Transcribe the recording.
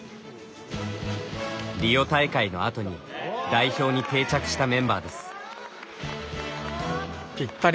リオ大会のあとに代表に定着したメンバーです。